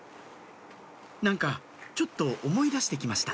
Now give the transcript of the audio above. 何かちょっと思い出して来ました